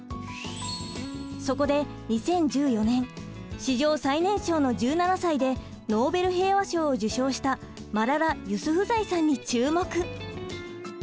そこで２０１４年史上最年少の１７歳でノーベル平和賞を受賞したマララ・ユスフザイさんに注目。